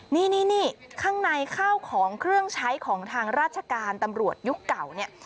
นี่ข้างในข้าวของเครื่องใช้ของทางราชการตำรวจยุคเก่าเนี่ย